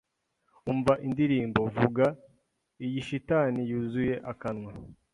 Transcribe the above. umva indirimbo, vuga, "Iyi shitani yuzuye akanwa